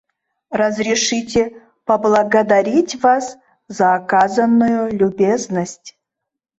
Разрешите поблагодарить вас за оказанную любезность.